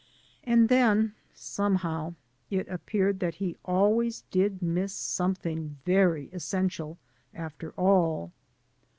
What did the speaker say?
And then, somehow, it appeared that he always did miss something very essential, after all.